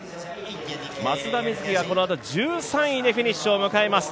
松田瑞生がこのあと１３位でフィニッシュを迎えます。